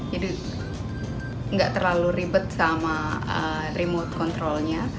jadi tidak terlalu ribet dengan remote control nya